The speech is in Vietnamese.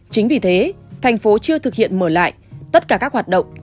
chính vì thế thành phố chưa thực hiện mở lại tất cả các hoạt động